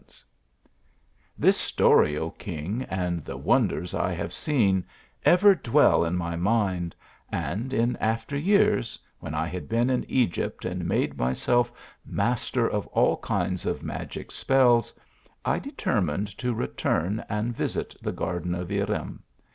THE ARABIAN ASR TOL 0., ER m "This story, O king, and the wonders I haa ., n ever dwell in my mind, and, in after years, wherr. , had been in Egypt and made myself master of all kinds of magic spells, I determined to return and visit the garden of Irem.